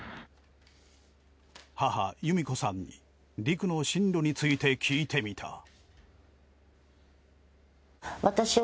母有美子さんに陸の進路について聞いてみた。